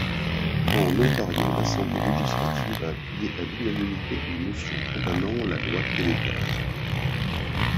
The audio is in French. En Ontario, l'Assemblée législative a appuyé à l'unanimité une motion condamnant la loi québécoise.